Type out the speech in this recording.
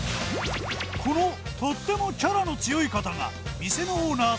このとってもキャラの強い方が店のオーナー